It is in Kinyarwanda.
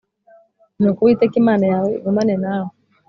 Nuko Uwiteka Imana yawe igumane nawe.